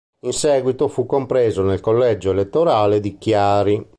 In seguito fu compreso nel collegio elettorale di Chiari.